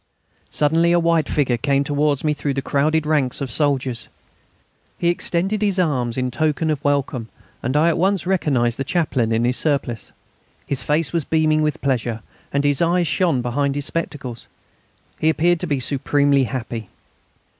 Suddenly a white figure came towards me through the crowded ranks of soldiers. He extended his arms in token of welcome, and I at once recognised the Chaplain in his surplice. His face was beaming with pleasure, and his eyes shone behind his spectacles. He appeared to be supremely happy.